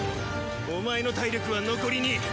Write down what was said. お前の体力は残り２。